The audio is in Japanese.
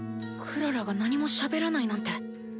クララが何もしゃべらないなんて。